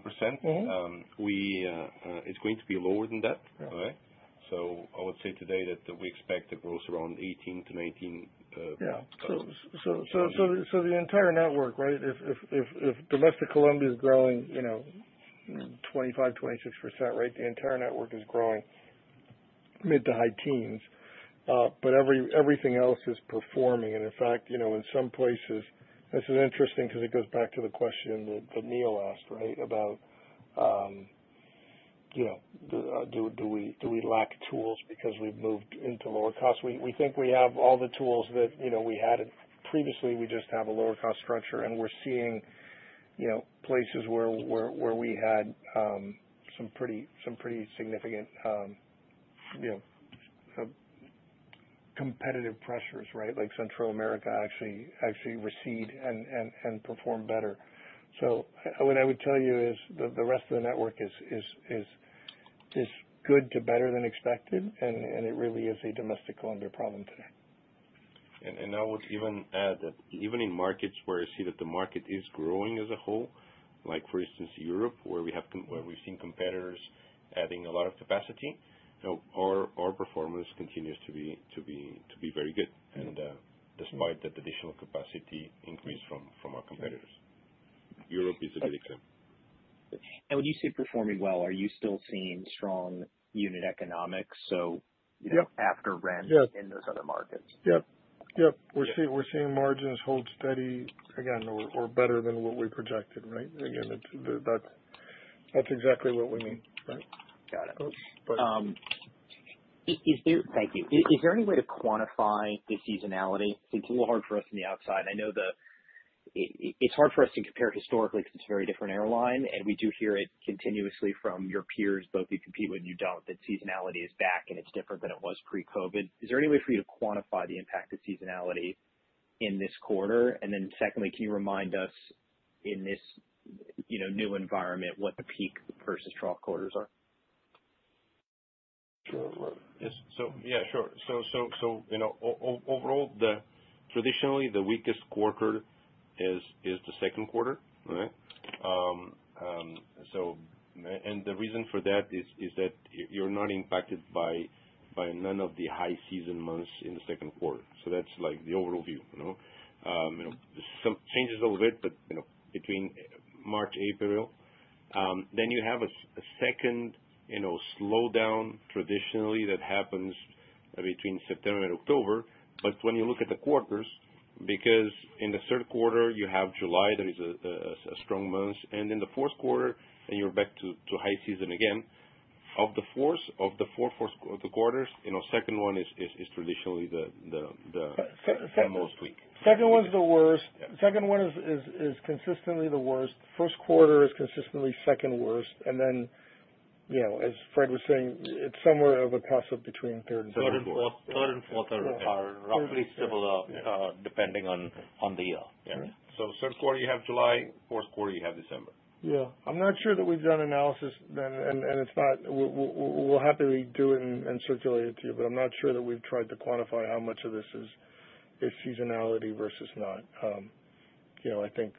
[SPEAKER 3] Mm-hmm.
[SPEAKER 5] It's going to be lower than that.
[SPEAKER 3] Yeah.
[SPEAKER 5] All right? I would say today that we expect a growth around 18-19.
[SPEAKER 3] Yeah.
[SPEAKER 5] -percent.
[SPEAKER 3] The entire network, right? If domestic Colombia is growing, you know, 25%-26%, right, the entire network is growing mid- to high-teens %. But everything else is performing. And in fact, you know, in some places, this is interesting because it goes back to the question that Neil asked, right? About, you know, do we lack tools because we've moved into lower costs? We think we have all the tools that, you know, we had previously. We just have a lower cost structure, and we're seeing, you know, places where we had some pretty significant competitive pressures, right? Like Central America actually recede and perform better. So what I would tell you is the rest of the network is good to better than expected, and it really is a domestic Colombia problem today.
[SPEAKER 5] I would even add that even in markets where I see that the market is growing as a whole, like for instance, Europe, where we've seen competitors adding a lot of capacity, you know, our performance continues to be very good, and despite that additional capacity increase from our competitors. Europe is a good example.
[SPEAKER 10] When you say performing well, are you still seeing strong unit economics, so-
[SPEAKER 3] Yep.
[SPEAKER 10] you know, after rent-
[SPEAKER 3] Yep...
[SPEAKER 10] in those other markets?
[SPEAKER 3] Yep. Yep.
[SPEAKER 10] Yep.
[SPEAKER 3] We're seeing margins hold steady again, or better than what we projected, right? Again, that's exactly what we mean, right?
[SPEAKER 10] Got it.
[SPEAKER 3] Oops, but-
[SPEAKER 10] Thank you. Is there any way to quantify the seasonality? It's a little hard for us on the outside. It's hard for us to compare historically because it's a very different airline, and we do hear it continuously from your peers, both we compete with and you don't, that seasonality is back, and it's different than it was pre-COVID. Is there any way for you to quantify the impact of seasonality in this quarter? And then secondly, can you remind us in this, you know, new environment, what the peak versus trough quarters are?
[SPEAKER 3] Sure.
[SPEAKER 4] Yes. So, yeah, sure. So, you know, overall, traditionally, the weakest quarter is the second quarter, right?... so, and the reason for that is that you're not impacted by none of the high season months in the second quarter. So that's like the overall view, you know? You know, some changes a little bit, but, you know, between March, April. Then you have a second, you know, slowdown traditionally that happens between September and October. But when you look at the quarters, because in the third quarter you have July, there is a strong month, and in the fourth quarter, and you're back to high season again. Of the four quarters, you know, second one is traditionally the-
[SPEAKER 3] Se-se-
[SPEAKER 4] the most weak.
[SPEAKER 3] Second one's the worst. Second one is consistently the worst. First quarter is consistently second worst, and then, you know, as Fred was saying, it's somewhere of a cross between third and fourth.
[SPEAKER 5] Third and fourth. Third and fourth are roughly similar, depending on, on the year. Yeah.
[SPEAKER 4] Third quarter, you have July. Fourth quarter, you have December.
[SPEAKER 3] Yeah. I'm not sure that we've done analysis then, and it's not, we'll happily do it and circulate it to you, but I'm not sure that we've tried to quantify how much of this is seasonality versus not. You know, I think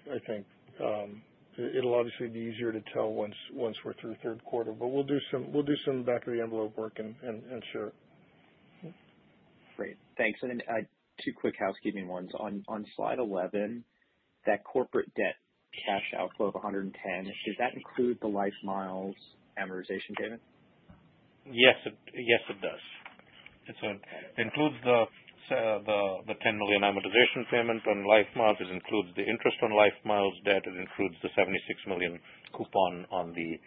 [SPEAKER 3] it'll obviously be easier to tell once we're through the third quarter. But we'll do some back of the envelope work and share.
[SPEAKER 10] Great. Thanks. And then, two quick housekeeping ones. On slide 11, that corporate debt cash outflow of $110, does that include the LifeMiles amortization payment?
[SPEAKER 5] Yes, it does. It includes the $10 million amortization payment on LifeMiles. It includes the interest on LifeMiles' debt. It includes the $76 million coupon on the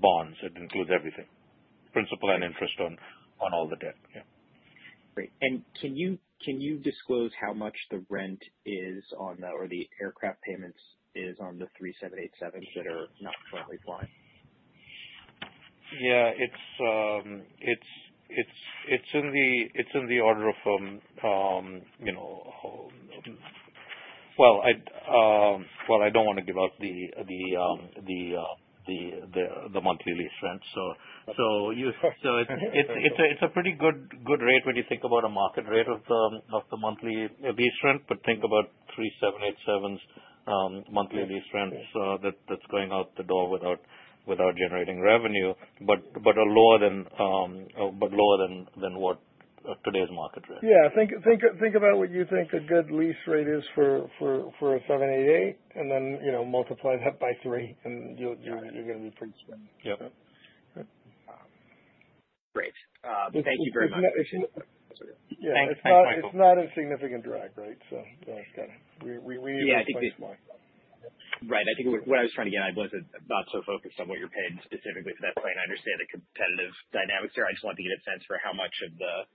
[SPEAKER 5] bonds. It includes everything, principal and interest on all the debt. Yeah.
[SPEAKER 10] Great. Can you disclose how much the rent is on the... or the aircraft payments is on the 787s that are not currently flying?
[SPEAKER 5] Yeah, it's in the order of, you know... Well, I don't want to give out the monthly lease rent. So it's a pretty good rate when you think about a market rate of the monthly lease rent, but think about 787s monthly lease rent, that's going out the door without generating revenue, but are lower than what today's market rate.
[SPEAKER 3] Yeah. Think about what you think a good lease rate is for a 787, and then, you know, multiply that by 3 and you're gonna be pretty certain.
[SPEAKER 5] Yep.
[SPEAKER 3] Yep.
[SPEAKER 10] Great. Thank you very much.
[SPEAKER 3] It's not-
[SPEAKER 5] Thanks. Thanks, Michael.
[SPEAKER 3] It's not a significant drag, right? So, kind of we, we-
[SPEAKER 10] Yeah, I think the-
[SPEAKER 3] Right.
[SPEAKER 10] Right. I think what I was trying to get at was not so focused on what you're paying specifically for that plane. I understand the competitive dynamics there. I just wanted to get a sense for how much of the...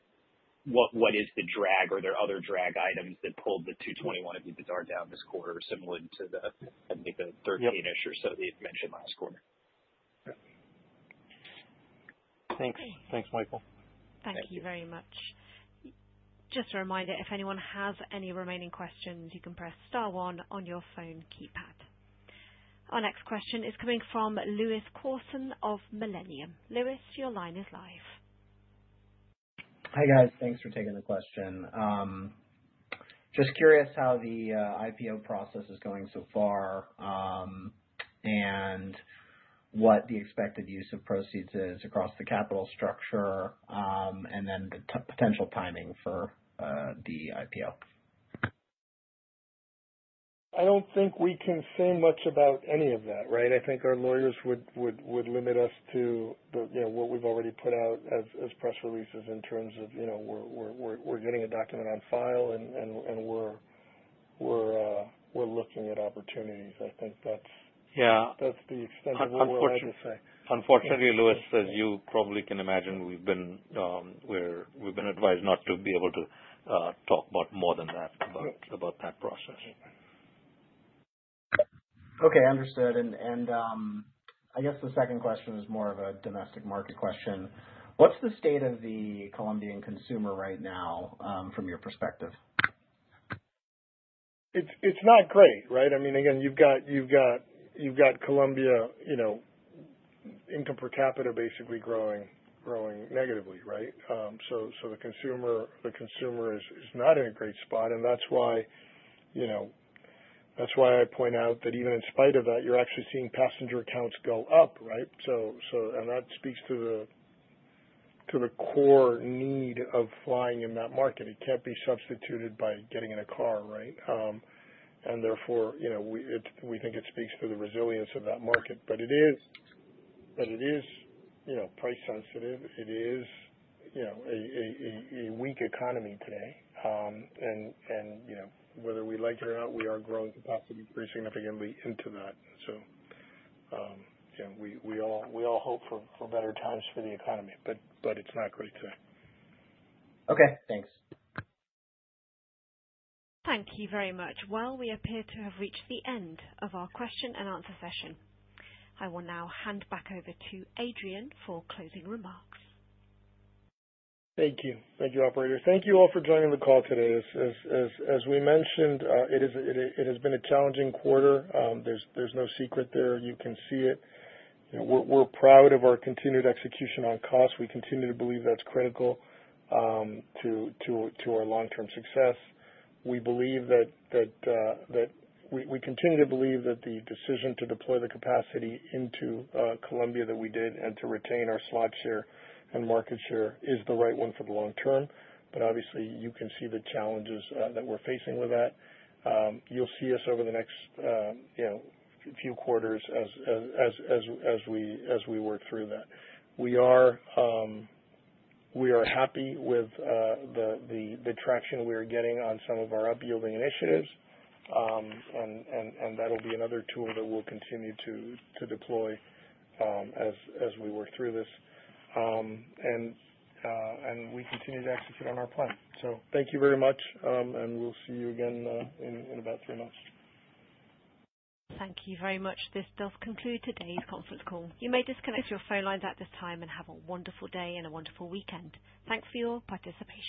[SPEAKER 10] What, what is the drag or are there other drag items that pulled the 2021 EBITDA down this quarter, similar to the, I think the 13-ish-
[SPEAKER 5] Yep
[SPEAKER 10] or so that you'd mentioned last quarter?
[SPEAKER 5] Yep.
[SPEAKER 3] Thanks. Thanks, Michael.
[SPEAKER 1] Thank you very much. Just a reminder, if anyone has any remaining questions, you can press star one on your phone keypad. Our next question is coming from Lewis Corson of Millennium. Lewis, your line is live.
[SPEAKER 11] Hi, guys. Thanks for taking the question. Just curious how the IPO process is going so far, and what the expected use of proceeds is across the capital structure, and then the potential timing for the IPO.
[SPEAKER 3] I don't think we can say much about any of that, right? I think our lawyers would limit us to the, you know, what we've already put out as press releases in terms of, you know, we're getting a document on file and we're looking at opportunities. I think that's-
[SPEAKER 5] Yeah.
[SPEAKER 3] That's the extent of what we're allowed to say.
[SPEAKER 5] Unfortunately, Lewis, as you probably can imagine, we've been advised not to be able to talk about more than that, about that process.
[SPEAKER 11] Okay, understood. And, I guess the second question is more of a domestic market question. What's the state of the Colombian consumer right now, from your perspective?
[SPEAKER 3] It's not great, right? I mean, again, you've got Colombia, you know, income per capita, basically growing negatively, right? So, the consumer is not in a great spot, and that's why, you know, that's why I point out that even in spite of that, you're actually seeing passenger counts go up, right? So, and that speaks to the core need of flying in that market. It can't be substituted by getting in a car, right? And therefore, you know, we think it speaks to the resilience of that market. But it is, you know, price sensitive. It is, you know, a weak economy today. And, you know, whether we like it or not, we are growing capacity pretty significantly into that. So, you know, we all hope for better times for the economy, but it's not great today.
[SPEAKER 11] Okay, thanks.
[SPEAKER 1] Thank you very much. Well, we appear to have reached the end of our question and answer session. I will now hand back over to Adrian for closing remarks.
[SPEAKER 3] Thank you. Thank you, operator. Thank you all for joining the call today. As we mentioned, it has been a challenging quarter. There's no secret there. You can see it. You know, we're proud of our continued execution on cost. We continue to believe that's critical to our long-term success. We continue to believe that the decision to deploy the capacity into Colombia that we did, and to retain our slot share and market share is the right one for the long term. But obviously, you can see the challenges that we're facing with that. You'll see us over the next, you know, few quarters as we work through that. We are happy with the traction we are getting on some of our up-yielding initiatives. And that'll be another tool that we'll continue to deploy as we work through this. And we continue to execute on our plan. So thank you very much, and we'll see you again in about three months.
[SPEAKER 1] Thank you very much. This does conclude today's conference call. You may disconnect your phone lines at this time and have a wonderful day and a wonderful weekend. Thanks for your participation.